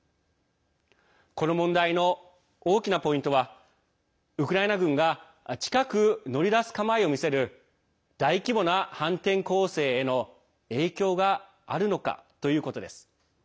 この問題の大きなポイントはウクライナ軍が近く乗り出す構えをみせる大規模な反転攻勢への影響があるのかということです。